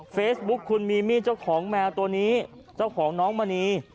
เฟซบุ๊คคุณมีมี่เจ้าของแมวตัวนี้เจ้าของน้องมณี